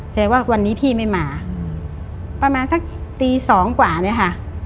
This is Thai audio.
แสดงว่าวันนี้พี่ไม่มาประมาณสักตีสองกว่าเนี่ยค่ะ